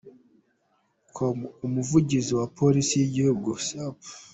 com, umuvugizi wa polisi y’igihugu Supt.